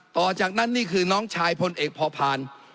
ต่อจากนั้นนี่คือน้องชายพลเอกพอพาน